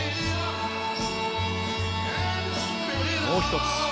もう一つ。